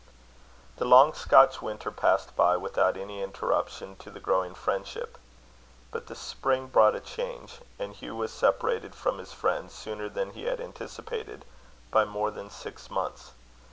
The long Scotch winter passed by without any interruption to the growing friendship. But the spring brought a change; and Hugh was separated from his friends sooner than he had anticipated, by more than six months.